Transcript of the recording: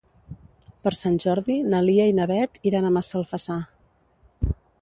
Per Sant Jordi na Lia i na Beth iran a Massalfassar.